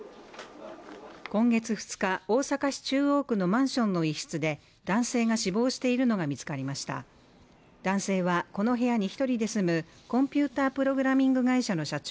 今月２日大阪市中央区のマンションの一室で男性が死亡しているのが見つかりました男性はこの部屋に一人で住むコンピュータープログラミング会社の社長